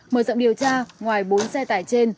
mở rộng điều tra ngoài bốn xe tải trên